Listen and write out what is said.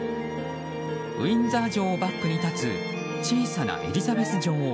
ウィンザー城をバックに立つ小さなエリザベス女王。